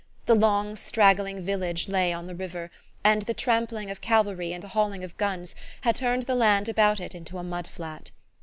The long straggling village lay on the river, and the trampling of cavalry and the hauling of guns had turned the land about it into a mud flat.